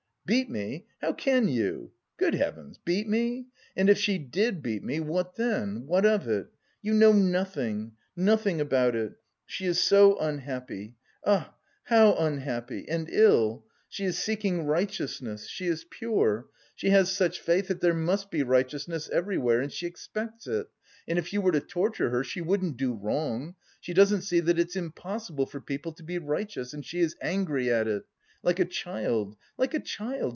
"Beat me! how can you? Good heavens, beat me! And if she did beat me, what then? What of it? You know nothing, nothing about it.... She is so unhappy... ah, how unhappy! And ill.... She is seeking righteousness, she is pure. She has such faith that there must be righteousness everywhere and she expects it.... And if you were to torture her, she wouldn't do wrong. She doesn't see that it's impossible for people to be righteous and she is angry at it. Like a child, like a child.